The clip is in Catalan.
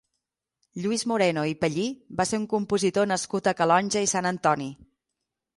Lluís Moreno i Pallí va ser un compositor nascut a Calonge i Sant Antoni.